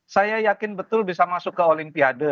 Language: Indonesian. saya yakin betul bisa masuk ke olimpiade